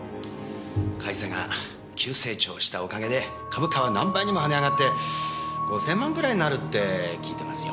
会社が急成長したおかげで株価は何倍にも跳ね上がって５千万ぐらいになるって聞いてますよ。